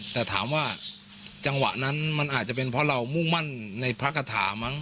แต่ถามว่าจังหวะนั้นมันอาจจะเป็นเพราะเรามุ่งมั่นในพระคาถามั้ง